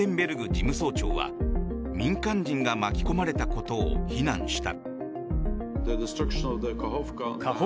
事務総長は民間人が巻き込まれたことを非難した。